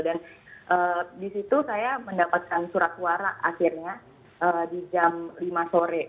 dan di situ saya mendapatkan surat suara akhirnya di jam lima sore